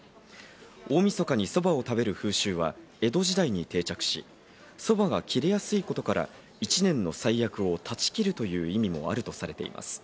大みそかに、そば食べる風習は江戸時代に定着し、そばが切れやすいことから、１年の災厄を断ち切るという意味もあるとされています。